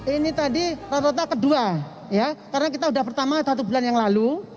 ini tadi rata rata kedua ya karena kita sudah pertama satu bulan yang lalu